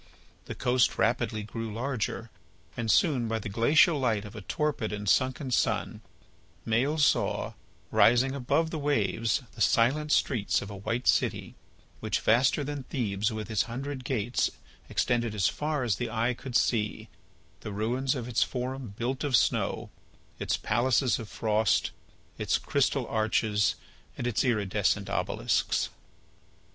The coast rapidly grew larger, and soon by the glacial light of a torpid and sunken sun, Maël saw, rising above the waves, the silent streets of a white city, which, vaster than Thebes with its hundred gates, extended as far as the eye could see the ruins of its forum built of snow, its palaces of frost, its crystal arches, and its iridescent obelisks.